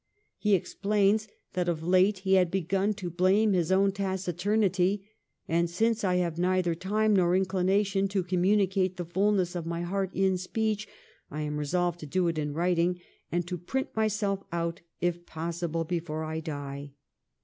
He explains that of late he had begun to blame his own taciturnity ' and since I have neither time nor inclination to com municate the fulness of my heart in speech, I am resolved to do it in writing, and to print myself out, if possible, before I die.'